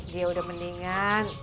dia udah mendingan